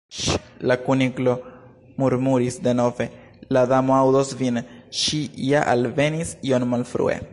"Ŝ—!" la Kuniklo murmuris denove "la Damo aŭdos vin. Ŝi ja alvenis iom malfrue.